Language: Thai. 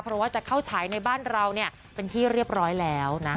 เพราะว่าจะเข้าฉายในบ้านเราเป็นที่เรียบร้อยแล้วนะ